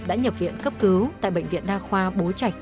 đã nhập viện cấp cứu tại bệnh viện đa khoa bố trạch